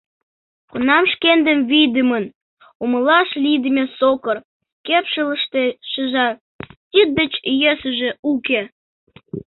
Кунам шкендым вийдымын, умылаш лийдыме сокыр кепшылыште шижат - тиддеч йӧсыжӧ уке!